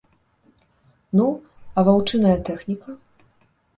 Ну, а ваўчыная тэхніка?